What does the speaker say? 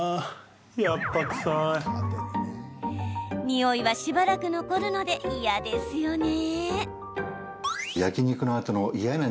においは、しばらく残るので嫌ですよね。